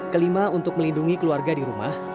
kelima untuk melindungi keluarga di rumah